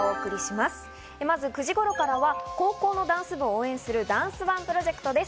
まず９時頃からは高校のダンス部を応援するダンスＯＮＥプロジェクトです。